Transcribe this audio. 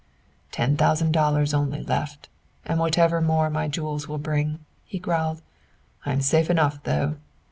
"Ten thousand dollars only left, and whatever more my jewels will bring," he growled. "I am safe enough, though.